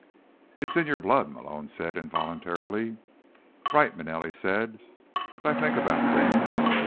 "It's in your blood," Malone said, involuntarily. "Right," Manelli said. "But I think about things.